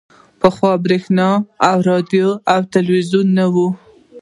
پخوا برېښنا او راډیو او ټلویزیون نه وو